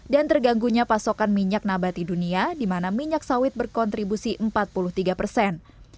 dan terganggunya pasokan minyak nabati dunia di mana minyak sawit berkontribusi empat puluh tiga persen